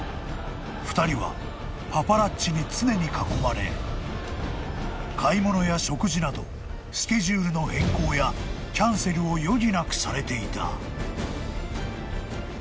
２人はパパラッチに常に囲まれ買い物や食事などスケジュールの変更やキャンセルを余儀なくされていた］